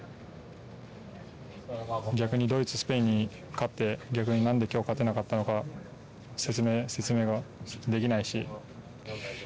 逆にドイツ、スペインに勝って逆に何で今日勝てなかったのか説明ができないし。